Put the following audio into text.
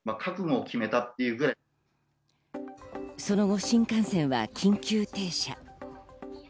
その後、新幹線は緊急停車。